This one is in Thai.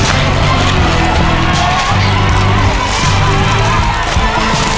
สิบเอ็ดแล้วค่ะยาย